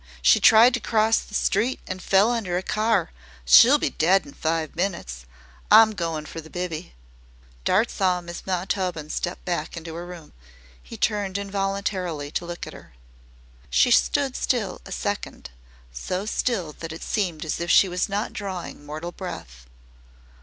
She tried to cross the street an' fell under a car. She'll be dead in five minits. I'm goin' for the biby." Dart saw Miss Montaubyn step back into her room. He turned involuntarily to look at her. She stood still a second so still that it seemed as if she was not drawing mortal breath.